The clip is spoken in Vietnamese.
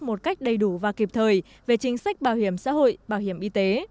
một cách đầy đủ và kịp thời về chính sách bảo hiểm xã hội bảo hiểm y tế